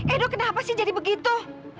edo kenapa sih jadi begitu